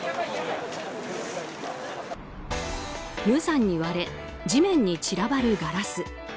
無残に割れ地面に散らばるガラス。